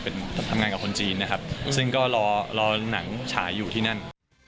เป็นทำงานกับคนจีนนะครับซึ่งก็รอรอหนังฉายอยู่ที่นั่น